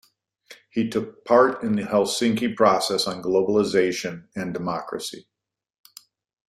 He took part in the Helsinki Process on Globalisation and Democracy.